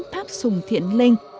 tháp sùng thiện linh